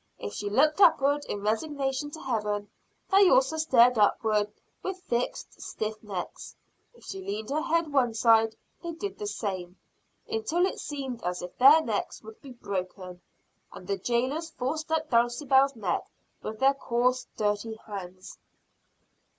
If she looked upward in resignation to Heaven, they also stared upwards with fixed, stiff necks. If she leaned her head one side they did the same, until it seemed as if their necks would be broken; and the jailers forced up Dulcibel's neck with their coarse, dirty hands.